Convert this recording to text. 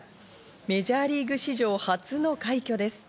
メジャーリーグ史上初の快挙です。